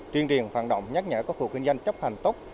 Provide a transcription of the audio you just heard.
truyền điện phản động nhắc nhở các khu kinh doanh chấp hành tốt